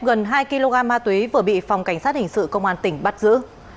gần hai kg ma túy vừa bị phòng cảnh sát hình sự công an tỉnh bắt giữ